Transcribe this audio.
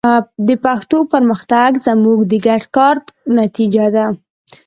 د پښتو پرمختګ زموږ د ګډ کار نتیجه ده.